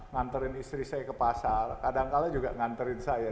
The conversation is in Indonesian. nganterin istri saya ke pasar kadangkala juga nganterin saya